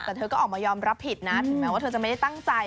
แต่เธอก็ออกมายอมรับผิดนะถึงแม้ว่าเธอจะไม่ได้ตั้งใจ